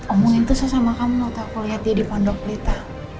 omongin tuh sesama kamu waktu aku lihat dia di pondok pelita